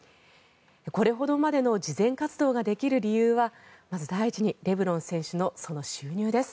これほどまでの慈善活動ができる理由はまず、第１にレブロン選手のその収入です。